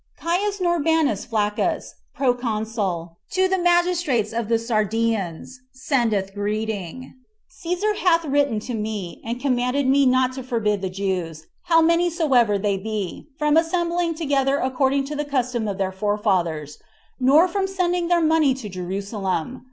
6. "Caius Norbanus Flaccus, proconsul, to the magistrates of the Sardians, sendeth greeting. Cæsar hath written to me, and commanded me not to forbid the Jews, how many soever they be, from assembling together according to the custom of their forefathers, nor from sending their money to Jerusalem.